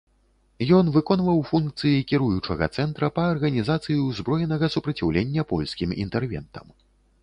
Ён выконваў функцыі кіруючага цэнтра па арганізацыі ўзброенага супраціўлення польскім інтэрвентам.